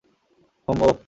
হুম, ওহ।